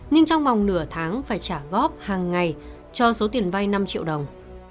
nhưng trong vòng nửa tháng phải trả góp hàng ngày cho số tiền vay năm triệu đồng